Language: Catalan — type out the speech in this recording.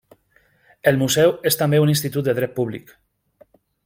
El museu és també un Institut de dret públic.